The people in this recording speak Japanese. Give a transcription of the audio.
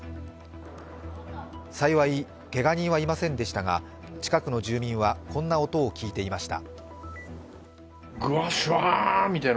幸いけが人はいませんでしたが、近くの住民はこんな音を聞いていました。